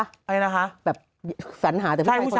อะไรนะคะ